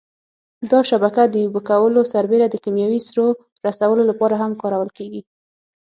دا شبکه د اوبه کولو سربېره د کېمیاوي سرو رسولو لپاره هم کارول کېږي.